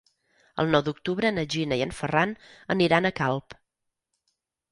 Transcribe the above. El nou d'octubre na Gina i en Ferran aniran a Calp.